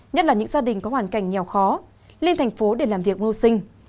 nhất là những gia đình có hoàn cảnh nghèo khó lên thành phố để làm việc ngô sinh